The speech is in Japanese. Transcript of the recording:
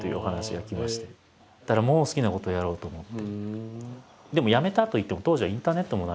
だから「もう好きなことをやろう」と思って。